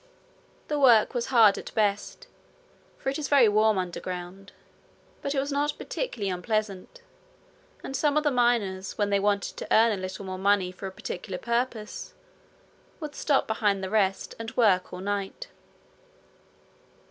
The work was hard at best, for it is very warm underground; but it was not particularly unpleasant, and some of the miners, when they wanted to earn a little more money for a particular purpose, would stop behind the rest and work all night.